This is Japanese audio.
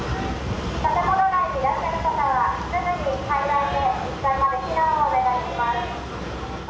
建物内にいらっしゃる方はすぐに階段で１階まで避難をお願いしま